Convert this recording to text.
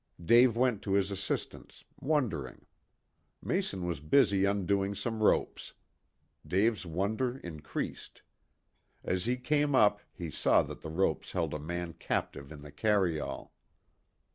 Dave went to his assistance, wondering. Mason was busy undoing some ropes. Dave's wonder increased. As he came up he saw that the ropes held a man captive in the carryall.